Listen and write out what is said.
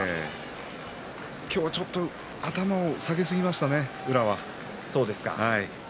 今日は頭を下げすぎましたね宇良は。